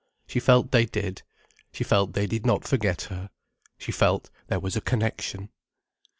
She felt they did. She felt they did not forget her. She felt there was a connection.